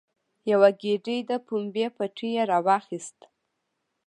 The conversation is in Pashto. یوه ګېډۍ د پمبې پټی یې راواخیست.